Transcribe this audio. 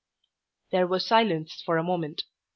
There was silence for a moment.